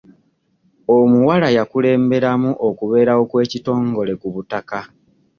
Omuwala yakulemberamu okubeerawo kw'ekitongole ku butaka.